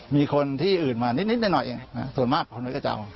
มีคนที่อื่นมานิดนิดหน่อยส่วนมากคนพลอยกระเจ้า